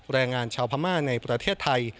แรงงานชาวพม่าในประเทศไทย